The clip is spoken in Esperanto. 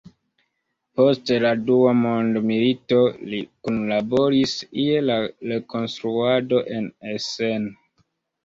Post la Dua Mondmilito li kunlaboris je la rekonstruado en Essen.